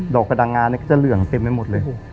ดอกกระดังงาก็จะเหลืองเต็มให้หมดเลย